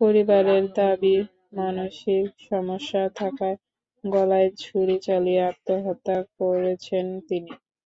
পরিবারের দাবি, মানসিক সমস্যা থাকায় গলায় ছুরি চালিয়ে আত্মহত্যা করেছেন তিনি।